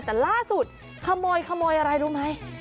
แต่ล่าสุดขโมยขโมยอะไรรู้ไหม